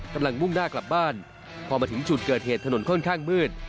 มุ่งหน้ากลับบ้านพอมาถึงจุดเกิดเหตุถนนค่อนข้างมืด